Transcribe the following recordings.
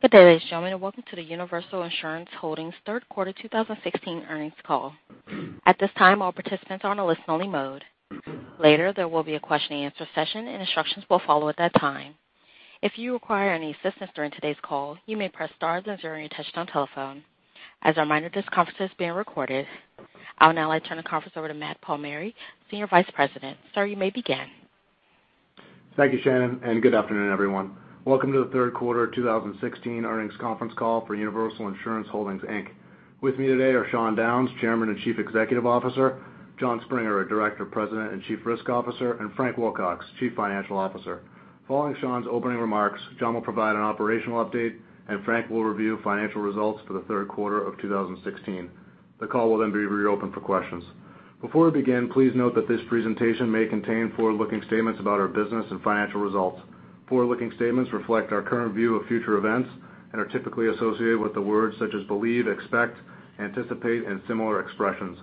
Good day, ladies and gentlemen, and welcome to the Universal Insurance Holdings third quarter 2016 earnings call. At this time, all participants are on a listen only mode. Later, there will be a question and answer session, and instructions will follow at that time. If you require any assistance during today's call, you may press star then zero on your touch-tone telephone. As a reminder, this conference is being recorded. I'd now like to turn the conference over to Matt Palmieri, Senior Vice President. Sir, you may begin. Thank you, Shannon, and good afternoon, everyone. Welcome to the third quarter 2016 earnings conference call for Universal Insurance Holdings, Inc. With me today are Sean Downes, Chairman and Chief Executive Officer, Jon Springer, our Director, President and Chief Risk Officer, and Frank Wilcox, Chief Financial Officer. Following Sean's opening remarks, Jon will provide an operational update, and Frank will review financial results for the third quarter of 2016. The call will then be reopened for questions. Before we begin, please note that this presentation may contain forward-looking statements about our business and financial results. Forward-looking statements reflect our current view of future events and are typically associated with the words such as believe, expect, anticipate and similar expressions.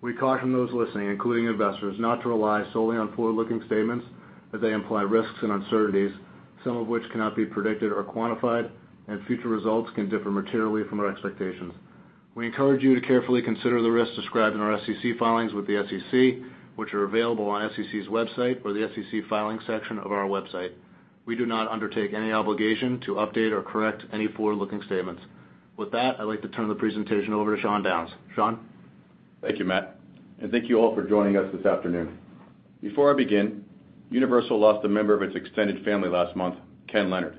We caution those listening, including investors, not to rely solely on forward-looking statements as they imply risks and uncertainties, some of which cannot be predicted or quantified, and future results can differ materially from our expectations. We encourage you to carefully consider the risks described in our SEC filings with the SEC, which are available on SEC's website or the SEC filings section of our website. We do not undertake any obligation to update or correct any forward-looking statements. With that, I'd like to turn the presentation over to Sean Downes. Sean? Thank you, Matt, and thank you all for joining us this afternoon. Before I begin, Universal lost a member of its extended family last month, Ken Leonard.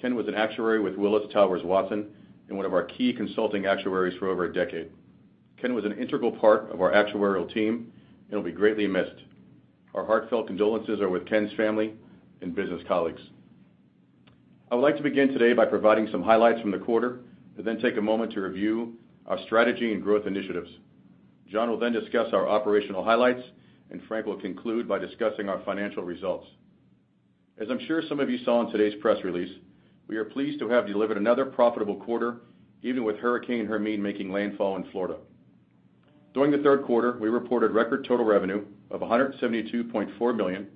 Ken was an actuary with Willis Towers Watson and one of our key consulting actuaries for over a decade. Ken was an integral part of our actuarial team and will be greatly missed. Our heartfelt condolences are with Ken's family and business colleagues. I would like to begin today by providing some highlights from the quarter and then take a moment to review our strategy and growth initiatives. Jon will then discuss our operational highlights, and Frank will conclude by discussing our financial results. As I'm sure some of you saw in today's press release, we are pleased to have delivered another profitable quarter, even with Hurricane Hermine making landfall in Florida. During the third quarter, we reported record total revenue of $172.4 million,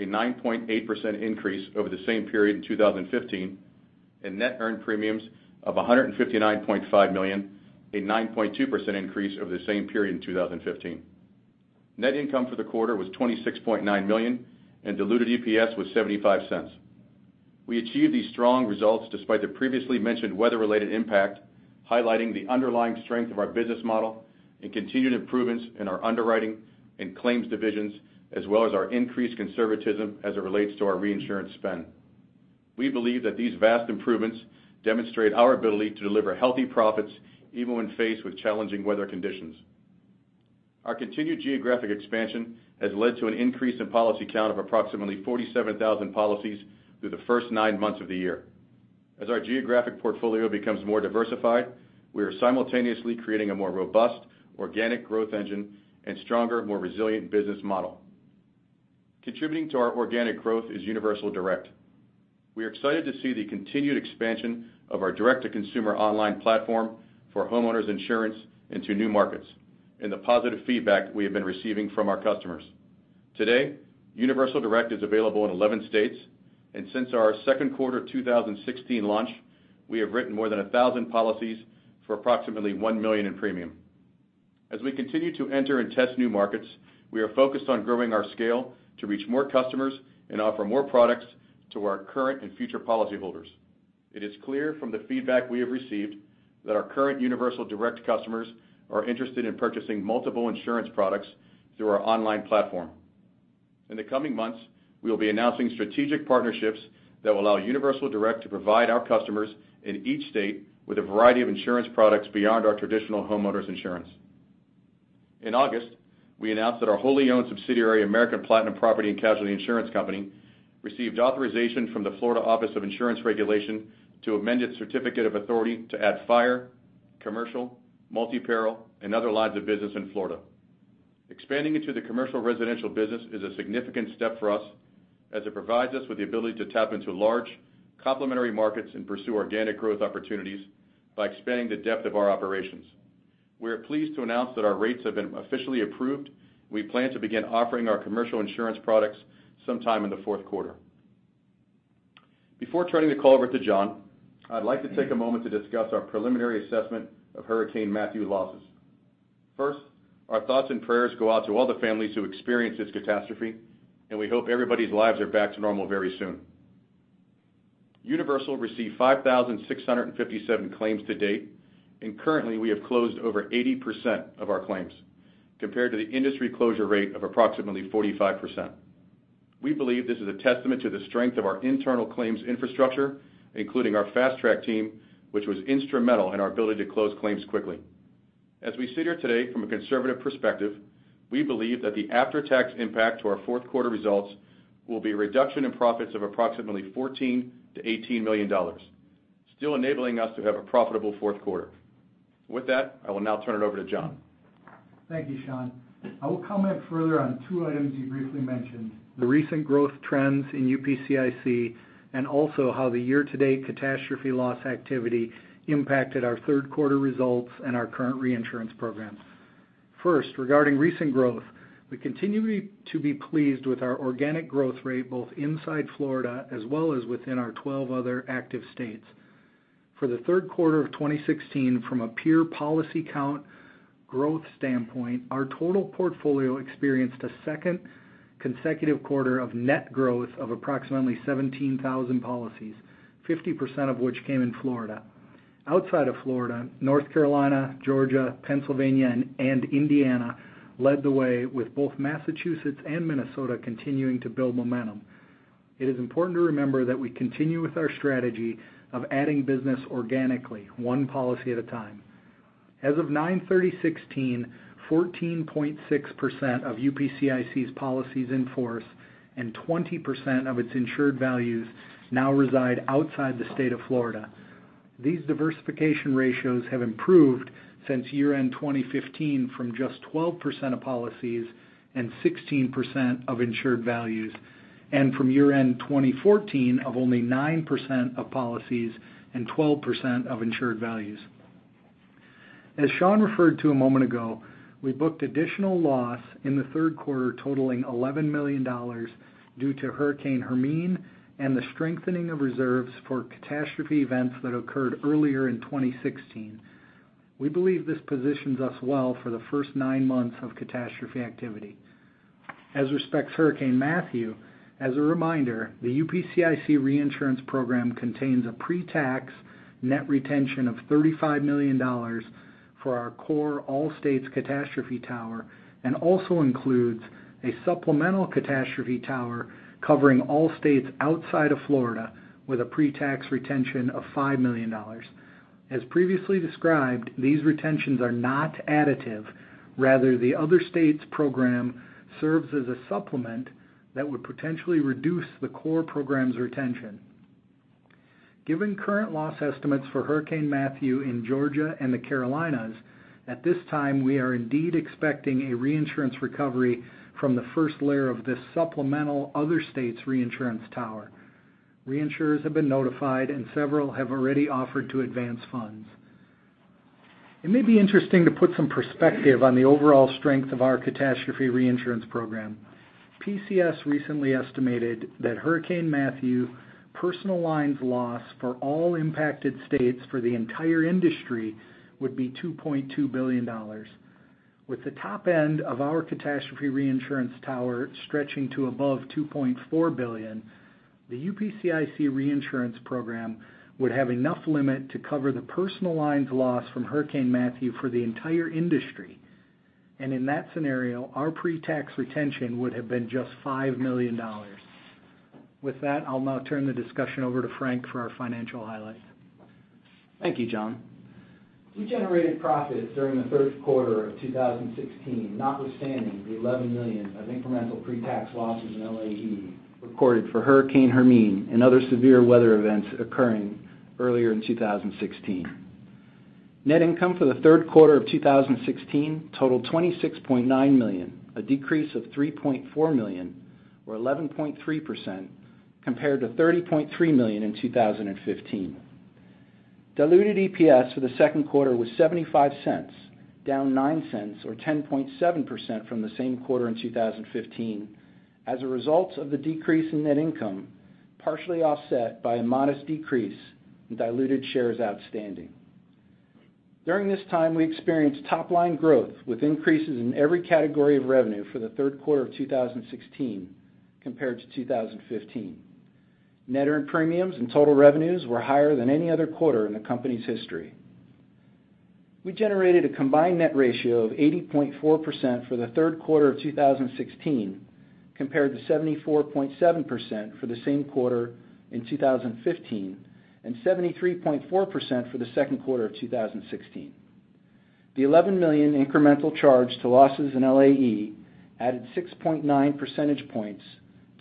a 9.8% increase over the same period in 2015, and net earned premiums of $159.5 million, a 9.2% increase over the same period in 2015. Net income for the quarter was $26.9 million and diluted EPS was $0.75. We achieved these strong results despite the previously mentioned weather-related impact, highlighting the underlying strength of our business model and continued improvements in our underwriting and claims divisions, as well as our increased conservatism as it relates to our reinsurance spend. We believe that these vast improvements demonstrate our ability to deliver healthy profits even when faced with challenging weather conditions. Our continued geographic expansion has led to an increase in policy count of approximately 47,000 policies through the first nine months of the year. As our geographic portfolio becomes more diversified, we are simultaneously creating a more robust organic growth engine and stronger, more resilient business model. Contributing to our organic growth is Universal Direct. We are excited to see the continued expansion of our direct-to-consumer online platform for homeowners insurance into new markets and the positive feedback we have been receiving from our customers. Today, Universal Direct is available in 11 states, and since our second quarter 2016 launch, we have written more than 1,000 policies for approximately $1 million in premium. As we continue to enter and test new markets, we are focused on growing our scale to reach more customers and offer more products to our current and future policyholders. It is clear from the feedback we have received that our current Universal Direct customers are interested in purchasing multiple insurance products through our online platform. In the coming months, we will be announcing strategic partnerships that will allow Universal Direct to provide our customers in each state with a variety of insurance products beyond our traditional homeowners insurance. In August, we announced that our wholly owned subsidiary, American Platinum Property and Casualty Insurance Company, received authorization from the Florida Office of Insurance Regulation to amend its certificate of authority to add fire, commercial, multi-peril and other lines of business in Florida. Expanding into the commercial residential business is a significant step for us as it provides us with the ability to tap into large complementary markets and pursue organic growth opportunities by expanding the depth of our operations. We are pleased to announce that our rates have been officially approved. We plan to begin offering our commercial insurance products sometime in the fourth quarter. Before turning the call over to Jon, I'd like to take a moment to discuss our preliminary assessment of Hurricane Matthew losses. First, our thoughts and prayers go out to all the families who experienced this catastrophe, and we hope everybody's lives are back to normal very soon. Universal received 5,657 claims to date, and currently we have closed over 80% of our claims, compared to the industry closure rate of approximately 45%. We believe this is a testament to the strength of our internal claims infrastructure, including our fast track team, which was instrumental in our ability to close claims quickly. As we sit here today, from a conservative perspective, we believe that the after-tax impact to our fourth quarter results will be a reduction in profits of approximately $14 million-$18 million, still enabling us to have a profitable fourth quarter. With that, I will now turn it over to Jon. Thank you, Sean. I will comment further on two items you briefly mentioned, the recent growth trends in UPCIC and also how the year-to-date catastrophe loss activity impacted our third quarter results and our current reinsurance program. First, regarding recent growth, we continue to be pleased with our organic growth rate, both inside Florida as well as within our 12 other active states. For the third quarter of 2016, from a pure policy count growth standpoint, our total portfolio experienced a second consecutive quarter of net growth of approximately 17,000 policies, 50% of which came in Florida. Outside of Florida, North Carolina, Georgia, Pennsylvania, and Indiana led the way, with both Massachusetts and Minnesota continuing to build momentum. It is important to remember that we continue with our strategy of adding business organically, one policy at a time. As of 9/30/2016, 14.6% of UPCIC's policies in force and 20% of its insured values now reside outside the State of Florida. These diversification ratios have improved since year-end 2015 from just 12% of policies and 16% of insured values, and from year-end 2014 of only 9% of policies and 12% of insured values. As Sean referred to a moment ago, we booked additional loss in the third quarter totaling $11 million due to Hurricane Hermine and the strengthening of reserves for catastrophe events that occurred earlier in 2016. We believe this positions us well for the first nine months of catastrophe activity. As respects to Hurricane Matthew, as a reminder, the UPCIC reinsurance program contains a pre-tax net retention of $35 million for our core all states catastrophe tower, and also includes a supplemental catastrophe tower covering all states outside of Florida with a pre-tax retention of $5 million. As previously described, these retentions are not additive. The other states program serves as a supplement that would potentially reduce the core program's retention. Given current loss estimates for Hurricane Matthew in Georgia and the Carolinas, at this time, we are indeed expecting a reinsurance recovery from the first layer of this supplemental other states reinsurance tower. Reinsurers have been notified, and several have already offered to advance funds. It may be interesting to put some perspective on the overall strength of our catastrophe reinsurance program. PCS recently estimated that Hurricane Matthew personal lines loss for all impacted states for the entire industry would be $2.2 billion. With the top end of our catastrophe reinsurance tower stretching to above $2.4 billion, the UPCIC reinsurance program would have enough limit to cover the personal lines loss from Hurricane Matthew for the entire industry, and in that scenario, our pre-tax retention would have been just $5 million. With that, I'll now turn the discussion over to Jon for our financial highlights. Thank you, Jon. We generated profits during the third quarter of 2016, notwithstanding the $11 million of incremental pre-tax losses in LAE recorded for Hurricane Hermine and other severe weather events occurring earlier in 2016. Net income for the third quarter of 2016 totaled $26.9 million, a decrease of $3.4 million or 11.3% compared to $30.3 million in 2015. Diluted EPS for the second quarter was $0.75, down $0.09 or 10.7% from the same quarter in 2015 as a result of the decrease in net income, partially offset by a modest decrease in diluted shares outstanding. During this time, we experienced top-line growth with increases in every category of revenue for the third quarter of 2016 compared to 2015. Net earned premiums and total revenues were higher than any other quarter in the company's history. We generated a net combined ratio of 80.4% for the third quarter of 2016 compared to 74.7% for the same quarter in 2015 and 73.4% for the second quarter of 2016. The $11 million incremental charge to losses in LAE added 6.9 percentage points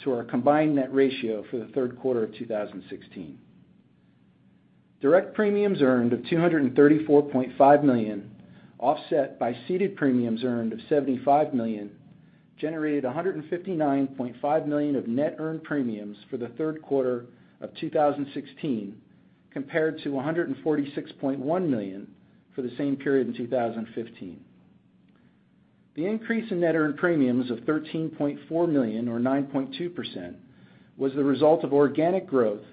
to our net combined ratio for the third quarter of 2016. Direct premiums earned of $234.5 million, offset by ceded premiums earned of $75 million, generated $159.5 million of net earned premiums for the third quarter of 2016 compared to $146.1 million for the same period in 2015. The increase in net earned premiums of $13.4 million or 9.2% was the result of organic growth,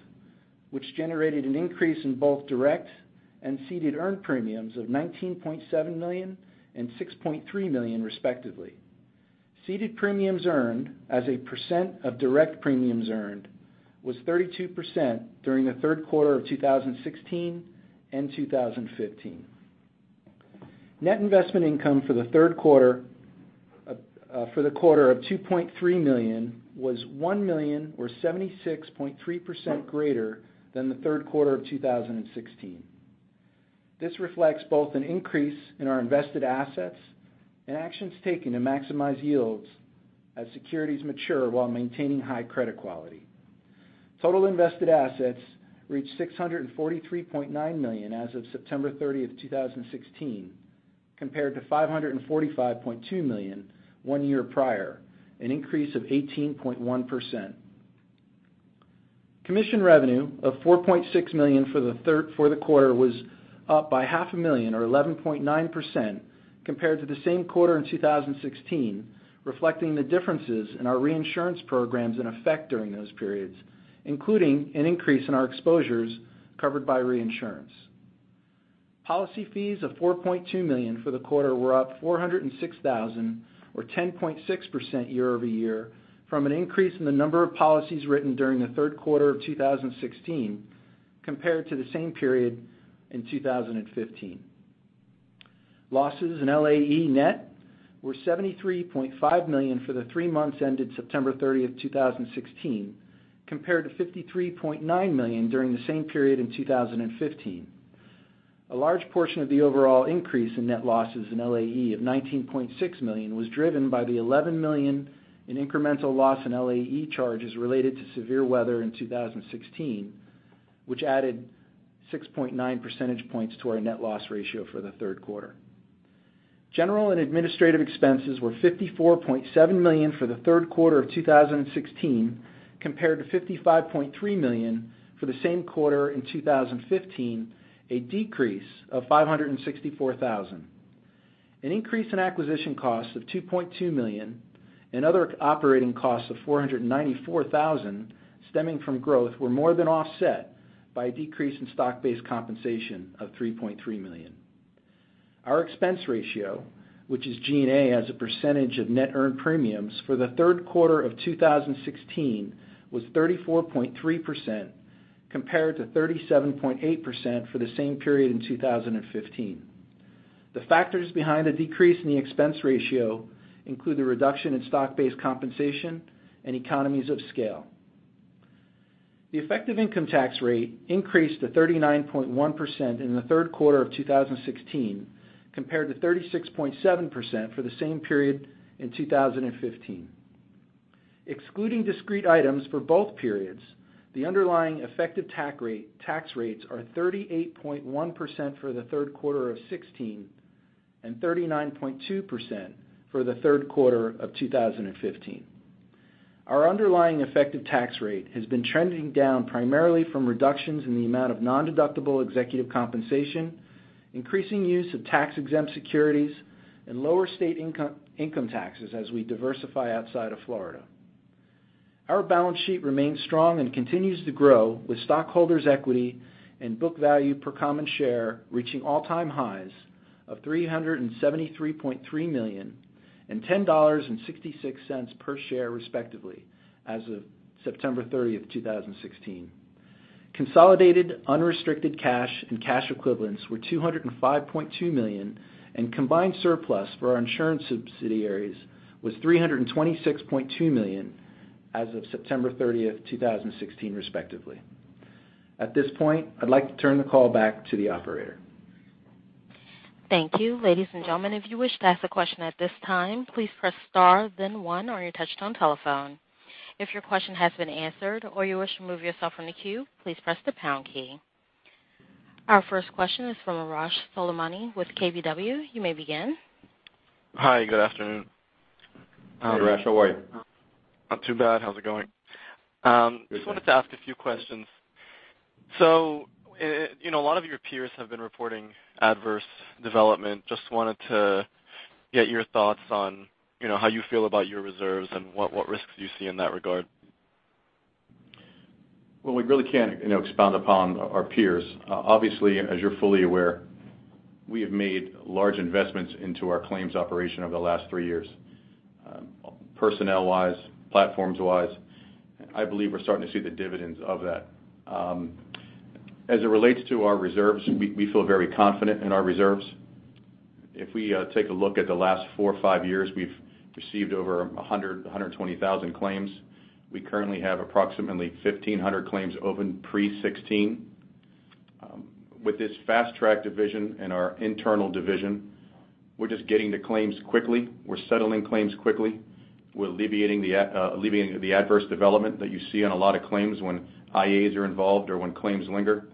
which generated an increase in both direct and ceded earned premiums of $19.7 million and $6.3 million respectively. Ceded premiums earned as a percent of direct premiums earned was 32% during the third quarter of 2016 and 2015. Net investment income for the quarter of $2.3 million was $1 million or 76.3% greater than the third quarter of 2016. This reflects both an increase in our invested assets and actions taken to maximize yields as securities mature while maintaining high credit quality. Total invested assets reached $643.9 million as of September 30, 2016, compared to $545.2 million one year prior, an increase of 18.1%. Commission revenue of $4.6 million for the quarter was up by half a million or 11.9% compared to the same quarter in 2016, reflecting the differences in our reinsurance programs in effect during those periods, including an increase in our exposures covered by reinsurance. Policy fees of $4.2 million for the quarter were up $406,000, or 10.6% year-over-year from an increase in the number of policies written during the third quarter of 2016 compared to the same period in 2015. Losses in LAE net were $73.5 million for the three months ended September 30, 2016, compared to $53.9 million during the same period in 2015. A large portion of the overall increase in net losses in LAE of $19.6 million was driven by the $11 million in incremental loss in LAE charges related to severe weather in 2016, which added 6.9 percentage points to our net loss ratio for the third quarter. General and administrative expenses were $54.7 million for the third quarter of 2016, compared to $55.3 million for the same quarter in 2015, a decrease of $564,000. An increase in acquisition costs of $2.2 million and other operating costs of $494,000 stemming from growth were more than offset by a decrease in stock-based compensation of $3.3 million. Our expense ratio, which is G&A as a percentage of net earned premiums for the third quarter of 2016, was 34.3%, compared to 37.8% for the same period in 2015. The factors behind the decrease in the expense ratio include the reduction in stock-based compensation and economies of scale. The effective income tax rate increased to 39.1% in the third quarter of 2016, compared to 36.7% for the same period in 2015. Excluding discrete items for both periods, the underlying effective tax rates are 38.1% for the third quarter of 2016 and 39.2% for the third quarter of 2015. Our underlying effective tax rate has been trending down primarily from reductions in the amount of non-deductible executive compensation, increasing use of tax-exempt securities, and lower state income taxes as we diversify outside of Florida. Our balance sheet remains strong and continues to grow with stockholders' equity and book value per common share, reaching all-time highs of $373.3 million and $10.66 per share, respectively, as of September 30, 2016. Consolidated unrestricted cash and cash equivalents were $205.2 million, and combined surplus for our insurance subsidiaries was $326.2 million as of September 30, 2016, respectively. At this point, I'd like to turn the call back to the operator. Thank you. Ladies and gentlemen, if you wish to ask a question at this time, please press star then one on your touchtone telephone. If your question has been answered or you wish to remove yourself from the queue, please press the pound key. Our first question is from Arash Soleimani with KBW. You may begin. Hi. Good afternoon. Hey, Arash. How are you? Not too bad. How's it going? Good. Thank you. Just wanted to ask a few questions. A lot of your peers have been reporting adverse development. Just wanted to get your thoughts on how you feel about your reserves and what risks you see in that regard. Well, we really can't expound upon our peers. Obviously, as you're fully aware, we have made large investments into our claims operation over the last three years, personnel wise, platforms wise. I believe we're starting to see the dividends of that. As it relates to our reserves, we feel very confident in our reserves. If we take a look at the last four or five years, we've received over 100,000, 120,000 claims. We currently have approximately 1,500 claims open pre-2016. With this fast track division and our internal division, we're just getting to claims quickly. We're settling claims quickly. We're alleviating the adverse development that you see on a lot of claims when IAs are involved or when claims linger.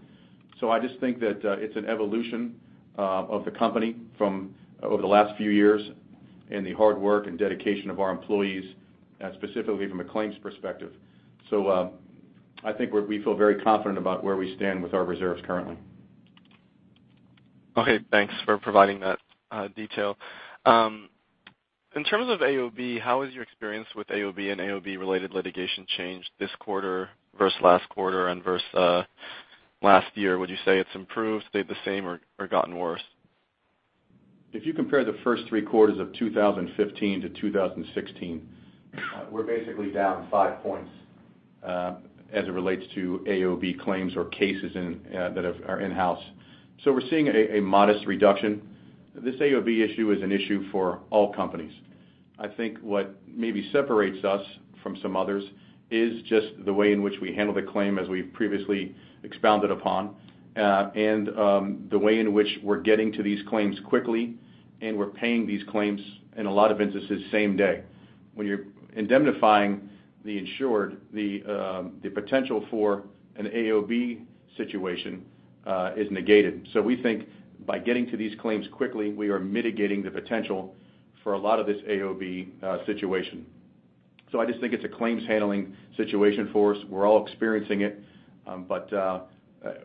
I just think that it's an evolution of the company from over the last few years and the hard work and dedication of our employees, specifically from a claims perspective. I think we feel very confident about where we stand with our reserves currently. Okay, thanks for providing that detail. In terms of AOB, how has your experience with AOB and AOB-related litigation changed this quarter versus last quarter and versus last year? Would you say it's improved, stayed the same, or gotten worse? If you compare the first three quarters of 2015 to 2016, we're basically down five points as it relates to AOB claims or cases that are in-house. We're seeing a modest reduction. This AOB issue is an issue for all companies. I think what maybe separates us from some others is just the way in which we handle the claim as we've previously expounded upon, and the way in which we're getting to these claims quickly, and we're paying these claims, in a lot of instances, same day. When you're indemnifying the insured, the potential for an AOB situation is negated. We think by getting to these claims quickly, we are mitigating the potential For a lot of this AOB situation. I just think it's a claims handling situation for us. We're all experiencing it.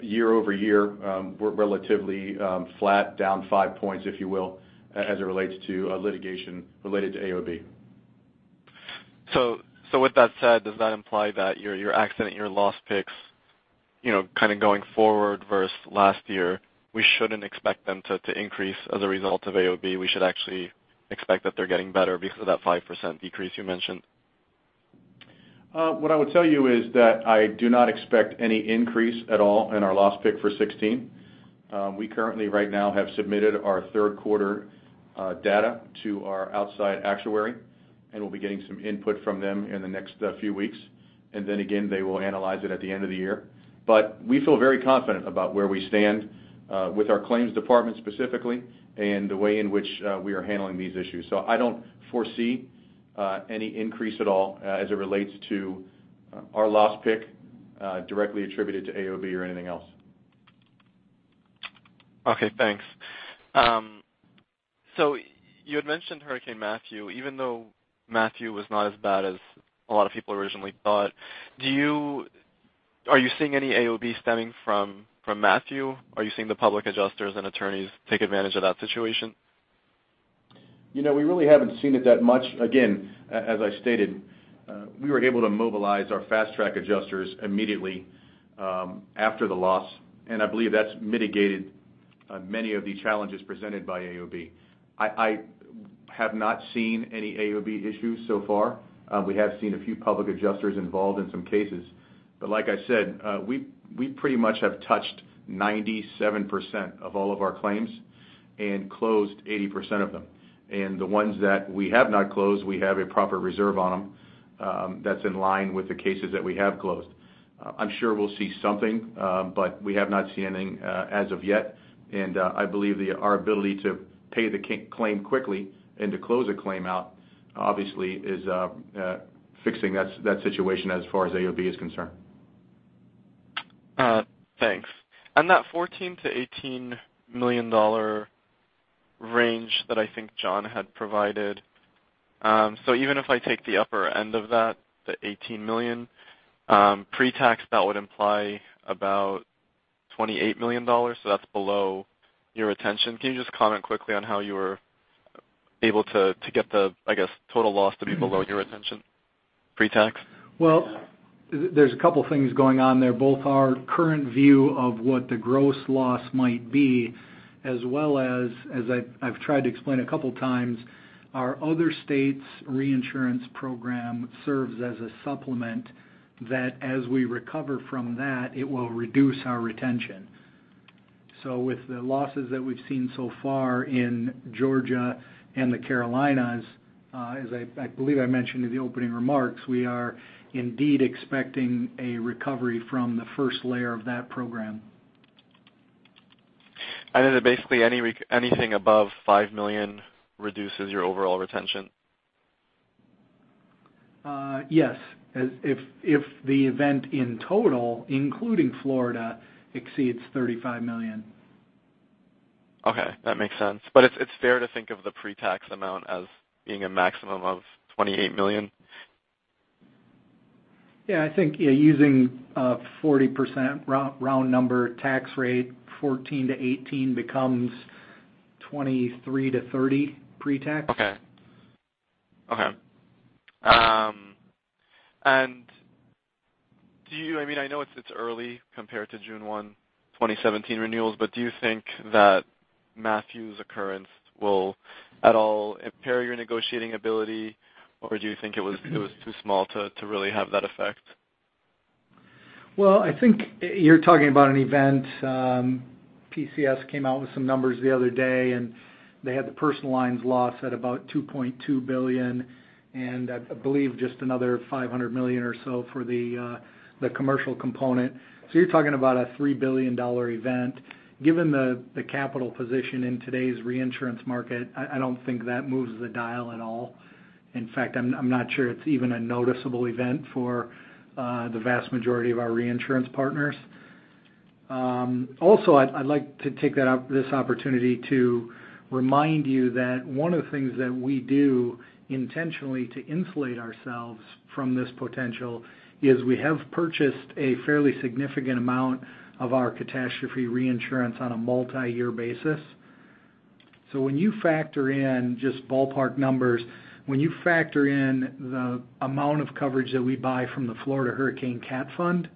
Year-over-year, we're relatively flat, down five points, if you will, as it relates to litigation related to AOB. With that said, does that imply that your accident, your loss picks, going forward versus last year, we shouldn't expect them to increase as a result of AOB? We should actually expect that they're getting better because of that 5% decrease you mentioned? What I would tell you is that I do not expect any increase at all in our loss pick for 2016. We currently right now have submitted our third quarter data to our outside actuary, and we'll be getting some input from them in the next few weeks. Then again, they will analyze it at the end of the year. We feel very confident about where we stand, with our claims department specifically, and the way in which we are handling these issues. I don't foresee any increase at all as it relates to our loss pick directly attributed to AOB or anything else. Okay, thanks. You had mentioned Hurricane Matthew. Even though Matthew was not as bad as a lot of people originally thought, are you seeing any AOB stemming from Matthew? Are you seeing the public adjusters and attorneys take advantage of that situation? We really haven't seen it that much. Again, as I stated, we were able to mobilize our fast track adjusters immediately after the loss, and I believe that's mitigated many of the challenges presented by AOB. I have not seen any AOB issues so far. We have seen a few public adjusters involved in some cases. Like I said, we pretty much have touched 97% of all of our claims and closed 80% of them. The ones that we have not closed, we have a proper reserve on them that's in line with the cases that we have closed. I'm sure we'll see something, but we have not seen any as of yet. I believe that our ability to pay the claim quickly and to close a claim out, obviously is fixing that situation as far as AOB is concerned. Thanks. That $14 million to $18 million range that I think Jon had provided, even if I take the upper end of that, the $18 million, pre-tax, that would imply about $28 million, that's below your retention. Can you just comment quickly on how you were able to get the, I guess, total loss to be below your retention pre-tax? There's a couple things going on there, both our current view of what the gross loss might be, as well as I've tried to explain a couple times, our other state's reinsurance program serves as a supplement that as we recover from that, it will reduce our retention. With the losses that we've seen so far in Georgia and the Carolinas, as I believe I mentioned in the opening remarks, we are indeed expecting a recovery from the first layer of that program. Basically anything above $5 million reduces your overall retention? Yes. If the event in total, including Florida, exceeds $35 million. Okay, that makes sense. It's fair to think of the pre-tax amount as being a maximum of $28 million? Yeah, I think using a 40% round number tax rate, $14-$18 becomes $23-$30 pre-tax. Okay. I know it's early compared to June 1, 2017 renewals, do you think that Matthew's occurrence will at all impair your negotiating ability, or do you think it was too small to really have that effect? Well, I think you're talking about an event, PCS came out with some numbers the other day, they had the personal lines loss at about $2.2 billion, I believe just another $500 million or so for the commercial component. You're talking about a $3 billion event. Given the capital position in today's reinsurance market, I don't think that moves the dial at all. In fact, I'm not sure it's even a noticeable event for the vast majority of our reinsurance partners. Also, I'd like to take this opportunity to remind you that one of the things that we do intentionally to insulate ourselves from this potential is we have purchased a fairly significant amount of our catastrophe reinsurance on a multi-year basis. When you factor in just ballpark numbers, when you factor in the amount of coverage that we buy from the Florida Hurricane Cat Fund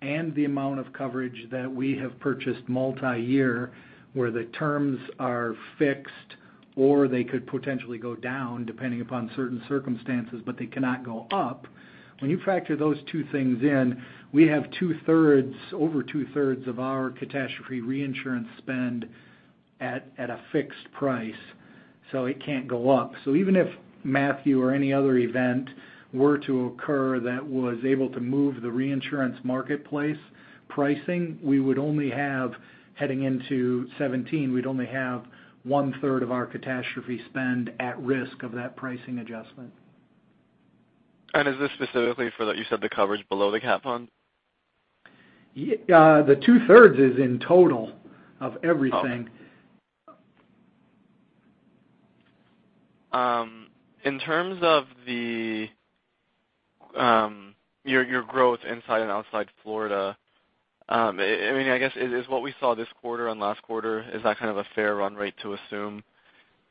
and the amount of coverage that we have purchased multi-year, where the terms are fixed, or they could potentially go down depending upon certain circumstances, but they cannot go up, when you factor those two things in, we have over two-thirds of our catastrophe reinsurance spend at a fixed price, it can't go up. Even if Matthew or any other event were to occur that was able to move the reinsurance marketplace pricing, heading into 2017, we'd only have one-third of our catastrophe spend at risk of that pricing adjustment. Is this specifically for, you said, the coverage below the Cat Fund? The two-thirds is in total of everything. In terms of your growth inside and outside Florida, I guess, is what we saw this quarter and last quarter, is that a fair run rate to assume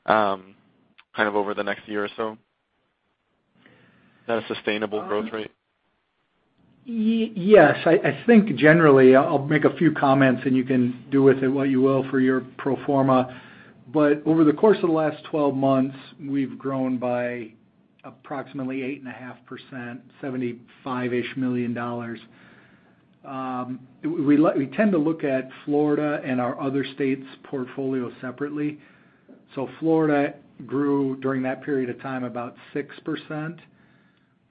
over the next year or so? Is that a sustainable growth rate? Yes. I think generally, I'll make a few comments and you can do with it what you will for your pro forma, but over the course of the last 12 months, we've grown by approximately 8.5%, $75-ish million. We tend to look at Florida and our other states' portfolio separately. Florida grew during that period of time about 6%,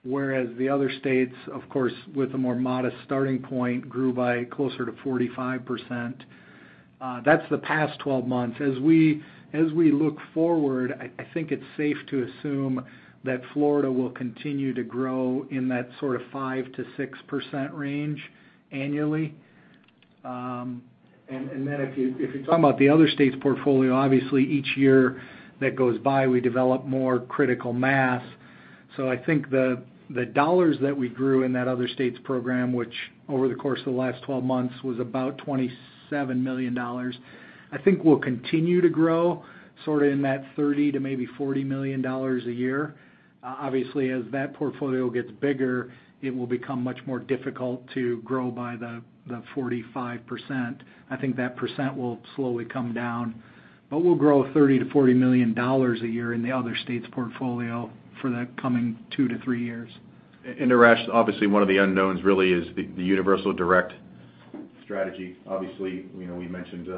whereas the other states, of course, with a more modest starting point, grew by closer to 45%. That's the past 12 months. As we look forward, I think it's safe to assume that Florida will continue to grow in that sort of 5%-6% range annually. If you're talking about the other states' portfolio, obviously each year that goes by, we develop more critical mass. I think the dollars that we grew in that other states program, which over the course of the last 12 months was about $27 million, I think will continue to grow sort of in that $30 million to maybe $40 million a year. Obviously, as that portfolio gets bigger, it will become much more difficult to grow by the 45%. I think that percent will slowly come down. We'll grow $30 million to $40 million a year in the other states portfolio for the coming two to three years. Arash, obviously one of the unknowns really is the Universal Direct strategy. Obviously, we mentioned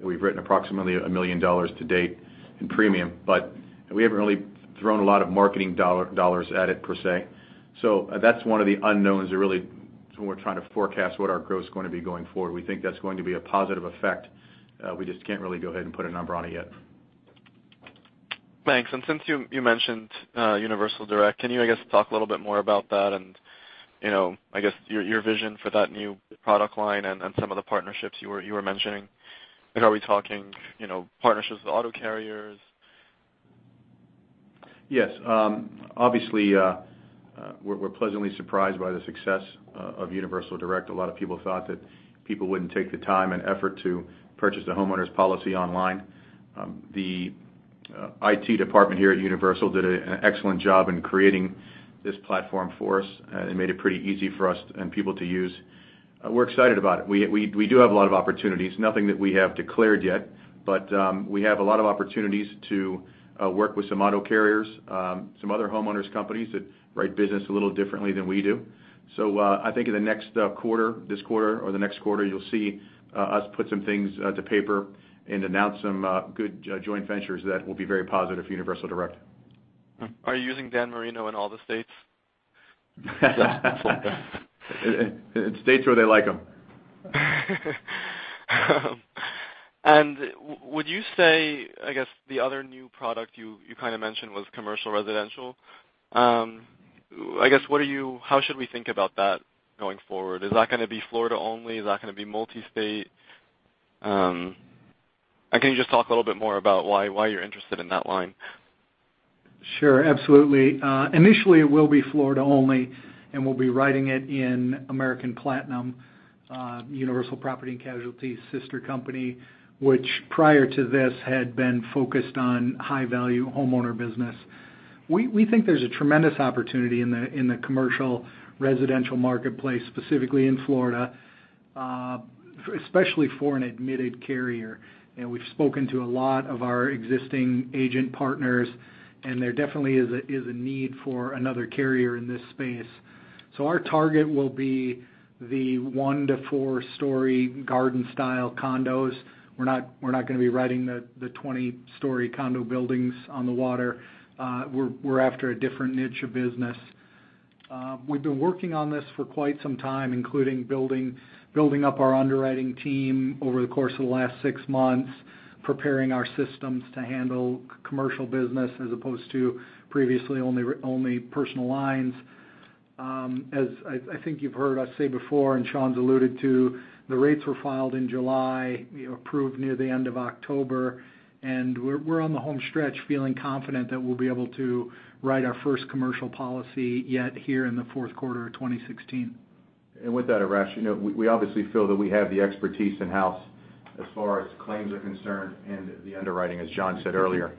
we've written approximately $1 million to date in premium, but we haven't really thrown a lot of marketing dollars at it per se. That's one of the unknowns that really, as we're trying to forecast what our growth is going to be going forward. We think that's going to be a positive effect. We just can't really go ahead and put a number on it yet. Thanks. Since you mentioned Universal Direct, can you, I guess, talk a little bit more about that and I guess your vision for that new product line and some of the partnerships you were mentioning? Like, are we talking partnerships with auto carriers? Yes. Obviously, we're pleasantly surprised by the success of Universal Direct. A lot of people thought that people wouldn't take the time and effort to purchase the homeowners policy online. The IT department here at Universal did an excellent job in creating this platform for us. It made it pretty easy for us and people to use. We're excited about it. We do have a lot of opportunities. Nothing that we have declared yet, but we have a lot of opportunities to work with some auto carriers, some other homeowners companies that write business a little differently than we do. I think in the next quarter, this quarter or the next quarter, you'll see us put some things to paper and announce some good joint ventures that will be very positive for Universal Direct. Are you using Dan Marino in all the states? In states where they like him. Would you say, I guess, the other new product you kind of mentioned was commercial residential. I guess, how should we think about that going forward? Is that going to be Florida only? Is that going to be multi-state? Can you just talk a little bit more about why you're interested in that line? Sure. Absolutely. Initially, it will be Florida only, and we'll be writing it in American Platinum, Universal Property and Casualty's sister company, which prior to this had been focused on high-value homeowner business. We think there's a tremendous opportunity in the commercial residential marketplace, specifically in Florida, especially for an admitted carrier. We've spoken to a lot of our existing agent partners, and there definitely is a need for another carrier in this space. Our target will be the one to four story garden style condos. We're not going to be writing the 20-story condo buildings on the water. We're after a different niche of business. We've been working on this for quite some time, including building up our underwriting team over the course of the last six months, preparing our systems to handle commercial business as opposed to previously only personal lines. As I think you've heard us say before, and Sean's alluded to, the rates were filed in July, approved near the end of October, and we're on the home stretch feeling confident that we'll be able to write our first commercial policy yet here in the fourth quarter of 2016. With that, Arash, we obviously feel that we have the expertise in-house as far as claims are concerned and the underwriting, as Jon said earlier.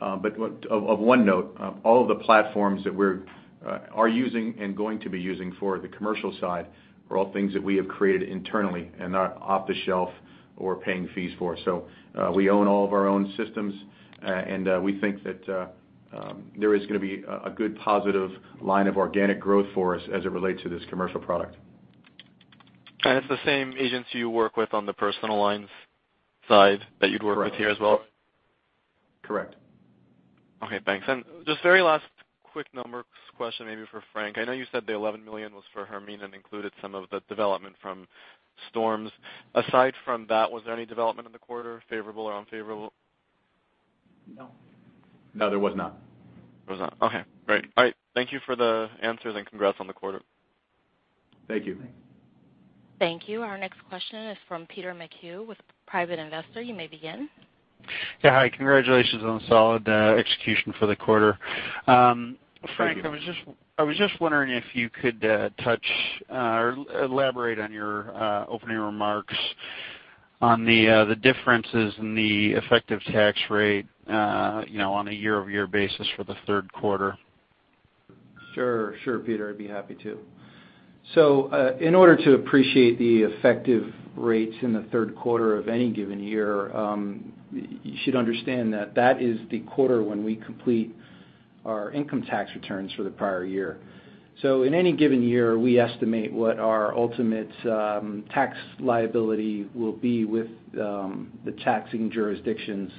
Of one note, all of the platforms that we are using and going to be using for the commercial side are all things that we have created internally and not off the shelf or paying fees for. We own all of our own systems, and we think that there is going to be a good positive line of organic growth for us as it relates to this commercial product. It's the same agents you work with on the personal lines side that you'd work with here as well? Correct. Okay, thanks. Just very last quick numbers question maybe for Frank. I know you said the $11 million was for Hermine and included some of the development from storms. Aside from that, was there any development in the quarter, favorable or unfavorable? No. No, there was not. There was not. Okay, great. All right. Thank you for the answers, and congrats on the quarter. Thank you. Thank you. Thank you. Our next question is from Peter McHugh with Private Investor. You may begin. Yeah, hi. Congratulations on the solid execution for the quarter. Thank you. Frank, I was just wondering if you could touch or elaborate on your opening remarks on the differences in the effective tax rate on a year-over-year basis for the third quarter. Sure, Peter, I'd be happy to. In order to appreciate the effective rates in the third quarter of any given year, you should understand that is the quarter when we complete our income tax returns for the prior year. In any given year, we estimate what our ultimate tax liability will be with the taxing jurisdictions,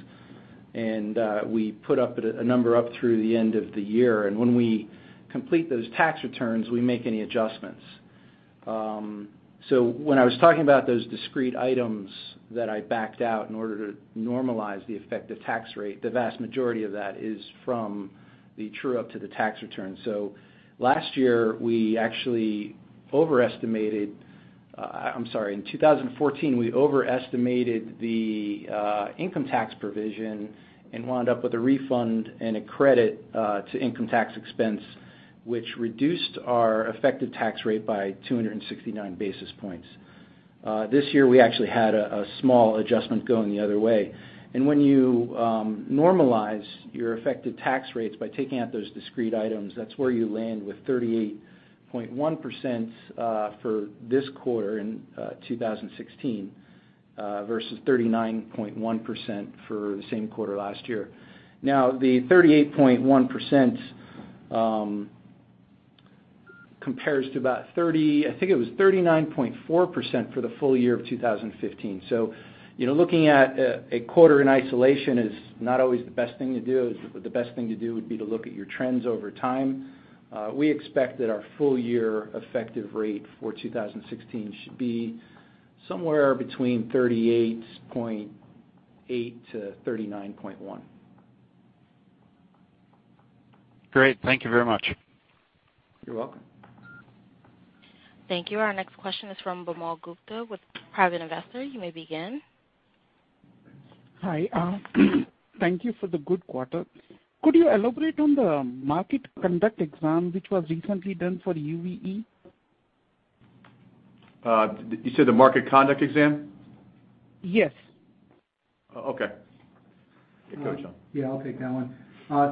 and we put a number up through the end of the year. When we complete those tax returns, we make any adjustments. When I was talking about those discrete items that I backed out in order to normalize the effective tax rate, the vast majority of that is from the true-up to the tax return. Last year, we actually overestimated I'm sorry, in 2014, we overestimated the income tax provision and wound up with a refund and a credit to income tax expense, which reduced our effective tax rate by 269 basis points. This year, we actually had a small adjustment going the other way. When you normalize your effective tax rates by taking out those discrete items, that's where you land with 38.1% for this quarter in 2016 versus 39.1% for the same quarter last year. The 38.1% compares to about 39.4% for the full year of 2015. Looking at a quarter in isolation is not always the best thing to do. The best thing to do would be to look at your trends over time. We expect that our full-year effective rate for 2016 should be somewhere between 38.8%-39.1%. Great. Thank you very much. You're welcome. Thank you. Our next question is from Bimal Gupta with Private Investor. You may begin. Hi. Thank you for the good quarter. Could you elaborate on the market conduct exam, which was recently done for UVE? You said the market conduct exam? Yes. Okay. Go, Jon. I'll take that one.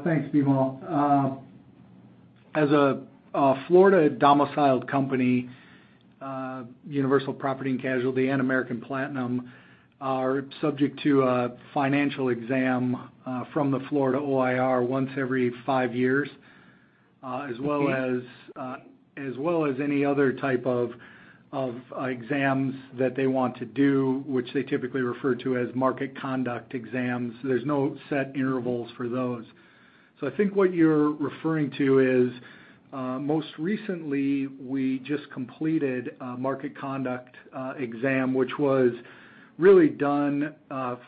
Thanks, Bimal. As a Florida-domiciled company, Universal Property and Casualty and American Platinum are subject to a financial exam from the Florida OIR once every five years as well as any other type of exams that they want to do, which they typically refer to as market conduct exams. There's no set intervals for those. I think what you're referring to is, most recently, we just completed a market conduct exam, which was really done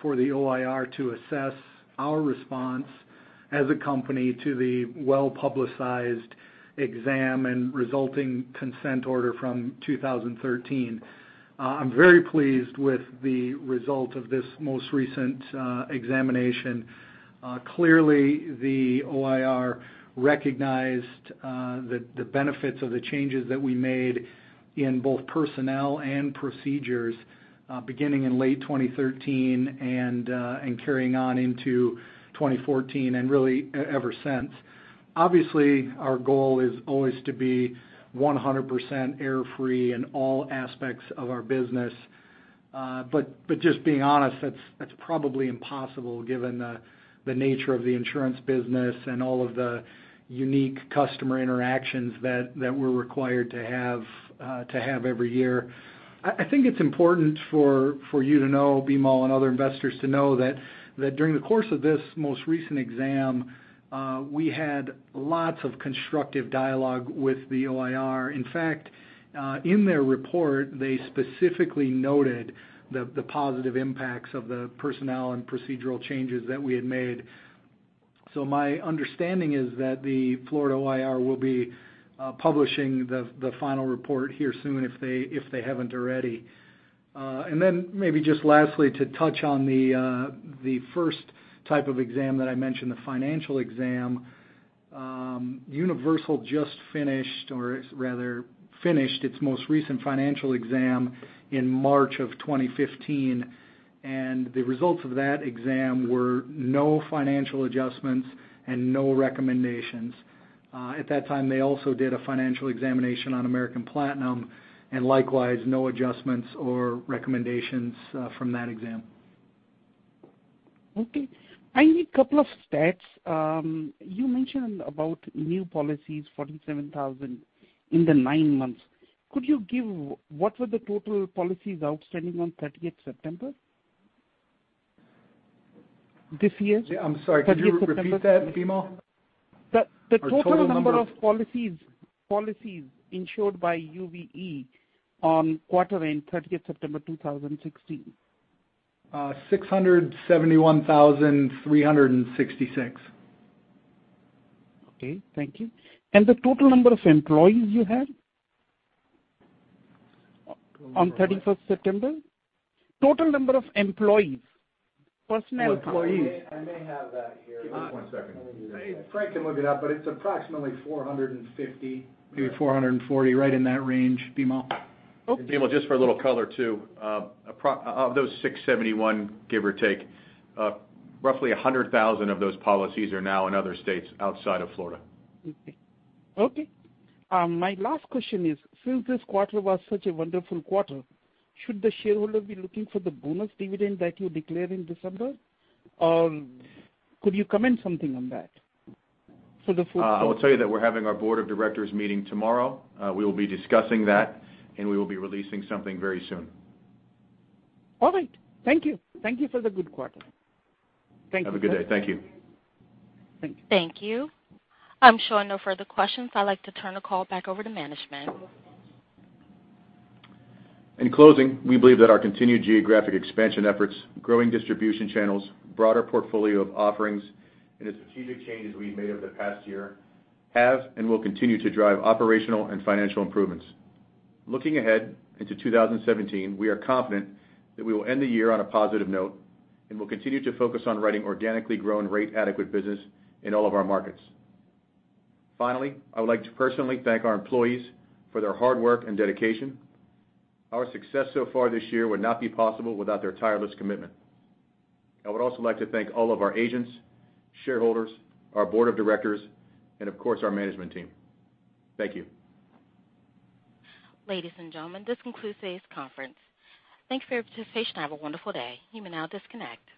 for the OIR to assess our response as a company to the well-publicized exam and resulting consent order from 2013. I'm very pleased with the result of this most recent examination. Clearly, the OIR recognized the benefits of the changes that we made in both personnel and procedures, beginning in late 2013 and carrying on into 2014 and really ever since. Obviously, our goal is always to be 100% error-free in all aspects of our business. Just being honest, that's probably impossible given the nature of the insurance business and all of the unique customer interactions that we're required to have every year. I think it's important for you to know, Bimal, and other investors to know that during the course of this most recent exam, we had lots of constructive dialogue with the OIR. In fact, in their report, they specifically noted the positive impacts of the personnel and procedural changes that we had made. My understanding is that the Florida OIR will be publishing the final report here soon if they haven't already. Then maybe just lastly, to touch on the first type of exam that I mentioned, the financial exam. Universal just finished or rather finished its most recent financial exam in March of 2015. The results of that exam were no financial adjustments and no recommendations. At that time, they also did a financial examination on American Platinum, and likewise, no adjustments or recommendations from that exam. Okay. I need a couple of stats. You mentioned about new policies, 47,000 in the nine months. Could you give what were the total policies outstanding on 30th September? This year. Yeah, I'm sorry. Could you repeat that, Bimal? The total number of policies insured by UVE on quarter end 30th September 2016? 671,366. Okay, thank you. The total number of employees you have on 31st September? Total number of employees, personnel, employees. I may have that here. Give me one second. Frank can look it up, but it's approximately 450. Maybe 440, right in that range, Bimal. Okay. Bimal, just for a little color, too. Of those 671, give or take, roughly 100,000 of those policies are now in other states outside of Florida. Okay. My last question is, since this quarter was such a wonderful quarter, should the shareholder be looking for the bonus dividend that you declare in December? Could you comment something on that. I will tell you that we're having our board of directors meeting tomorrow. We will be discussing that. We will be releasing something very soon. All right. Thank you. Thank you for the good quarter. Thank you. Have a good day. Thank you. Thank you. Thank you. I'm showing no further questions. I'd like to turn the call back over to management. In closing, we believe that our continued geographic expansion efforts, growing distribution channels, broader portfolio of offerings, and the strategic changes we've made over the past year have and will continue to drive operational and financial improvements. Looking ahead into 2017, we are confident that we will end the year on a positive note and will continue to focus on writing organically grown rate adequate business in all of our markets. Finally, I would like to personally thank our employees for their hard work and dedication. Our success so far this year would not be possible without their tireless commitment. I would also like to thank all of our agents, shareholders, our board of directors, and of course, our management team. Thank you. Ladies and gentlemen, this concludes today's conference. Thank you for your participation and have a wonderful day. You may now disconnect.